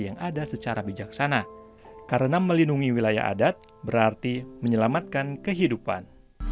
yang ada secara bijaksana karena melindungi wilayah adat berarti menyelamatkan kehidupan